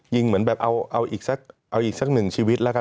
ยิงเหมือนแบบเอาอีกสักหนึ่งชีวิตแล้วกัน